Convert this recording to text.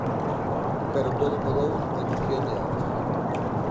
Pero todo mudou en cuestión de horas.